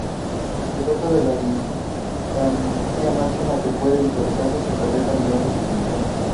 Se trata de la distancia máxima que puede visualizarse sin perder calidad o definición.